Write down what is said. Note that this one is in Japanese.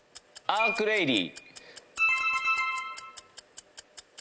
アークレイリ。